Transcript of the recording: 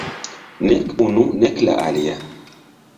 Nek unu nek la alia.